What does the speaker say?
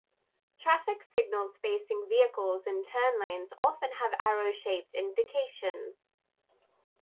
Traffic signals facing vehicles in turn lanes often have arrow-shaped indications.